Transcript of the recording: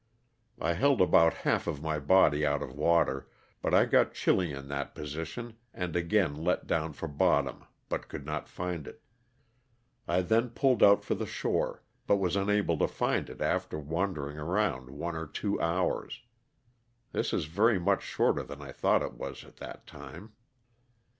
It held about half of my body out of water, but I got chilly in that position and again let down for bottom but could not find it. I then pulled out for the shore, but was unable to find it after wandering around one or two hours. (This is very much shorter than I thought it was at that time.)